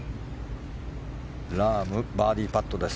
ラームバーディーパットです。